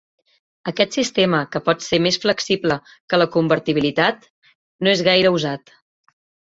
Aquest sistema, que pot ser més flexible que la convertibilitat, no és gaire usat.